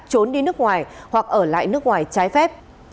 trốn đi nước ngoài hoặc ở lại nước ngoài trái phép